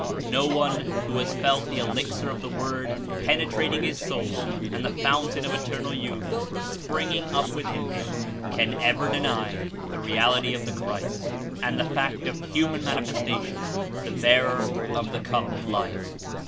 No one, who has felt the elixir of the Word penetrating his soul and the fountain of eternal youth springing up within him, can ever deny the reality of the Christ and the fact of human Manifestation, the Bearer of the Cup of Life.